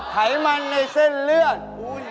ไขมันในเส้นเลือด